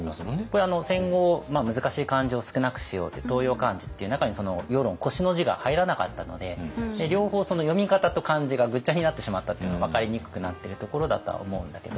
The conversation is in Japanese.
これ戦後難しい漢字を少なくしようって当用漢字っていう中に輿論「輿」の字が入らなかったので両方読み方と漢字がグッチャになってしまったっていうのが分かりにくくなってるところだとは思うんだけど。